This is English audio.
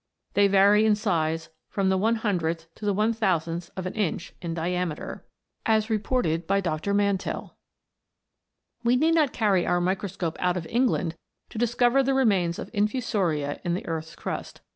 They vary in size froTn the one hundredth to the one thousandth of an inch in diameter.* We need not carry our microscope out of England to discover the remains of infusoria in the earth's crust.